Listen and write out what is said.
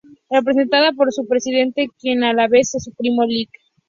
Representada por su presidente, quien a la vez es su primo, Lic.